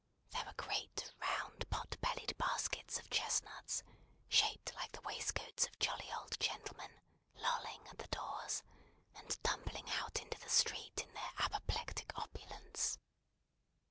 There were great, round, pot bellied baskets of chestnuts, shaped like the waistcoats of jolly old gentlemen, lolling at the doors, and tumbling out into the street in their apoplectic opulence.